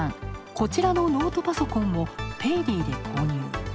こちらのノートパソコンをペイディで購入。